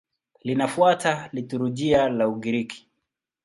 Linafuata liturujia ya Ugiriki.